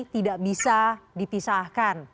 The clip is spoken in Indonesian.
tidak bisa dipisahkan